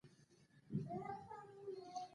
• ریښتینی ملګری د تا د بریا هیله لري.